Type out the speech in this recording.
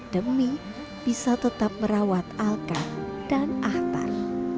demi bisa tetap merawat alka dan ahtar